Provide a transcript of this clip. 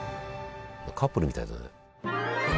カップルみたいだね。